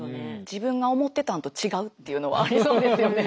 自分が思ってたんと違うっていうのはありそうですよね。